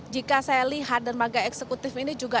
jika saya lihat dermaga eksekutif ini juga